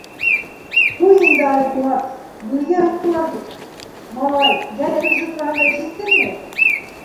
— Ҡуй инде, Айбулат, билгә һуҡтылар бит, малай, дядя Гриша тураһында ишеттеңме?